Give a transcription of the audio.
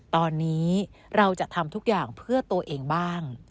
ตอนนี้เราจะทำทุกอย่างเพื่อตัวเองบ้าง